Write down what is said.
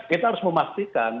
kita harus memastikan